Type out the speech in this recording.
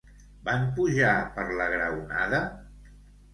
Van pujar per la graonada?